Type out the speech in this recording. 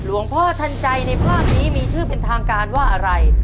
พ่อทันใจในภาพนี้มีชื่อเป็นทางการว่าอะไร